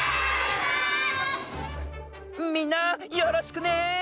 みんなよろしくね！